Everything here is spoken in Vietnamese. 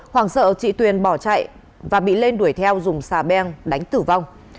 hoàng sợ chị tuyền bỏ chạy và bị lên đuổi theo dùng xà beng đánh tử vong